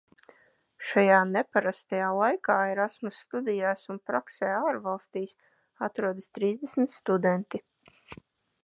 Šajā neparastajā laikā Erasmus studijās un praksē ārvalstīs atrodas trīsdesmit studenti.